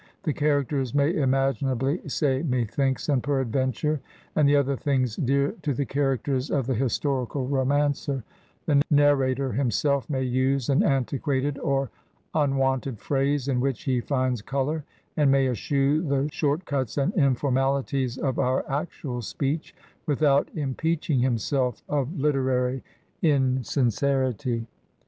The characters may imaginably say "methinks" and "peradventure," and the other things dear to the characters of the historical romancer; the narrator himself may use an antiquated or unwonted phrase in which he finds color, and may eschew the short cuts and informalities of our actual speech, without impeaching himself of Uterary insin cerity.